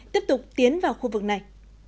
tiếp tục tiến vào khu vực này